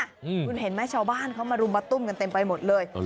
คุณเห็นไหมชาวบ้านเขามารุมมาตุ้มกันเต็มไปหมดเลย